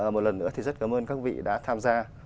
một lần nữa thì rất cảm ơn các vị đã tham gia